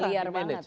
sudah liar banget